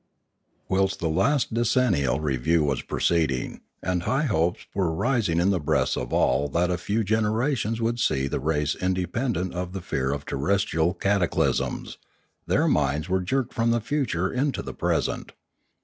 Whilst the last decennial review was proceeding, and high hopes were rising in the breasts of all that a few generations would see the race independent of the fear of terrestrial cataclysms, their minds were jerked from the future into the present.